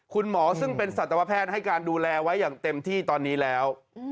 คุณหมอซึ่งเป็นสัตวแพทย์ให้การดูแลไว้อย่างเต็มที่ตอนนี้แล้ว